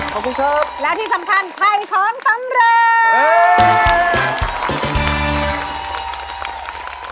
ขอบคุณครับแล้วที่สำคัญให้ความสำเร็จ